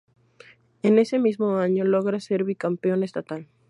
En ese mismo año logra ser bicampeón estatal.